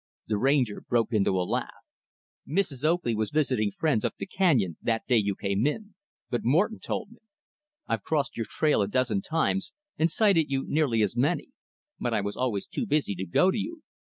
The Ranger broke into a laugh. "Mrs. Oakley was visiting friends up the canyon, the day you came in; but Morton told me. I've crossed your trail a dozen times, and sighted you nearly as many; but I was always too busy to go to you.